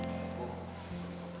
siapa di lab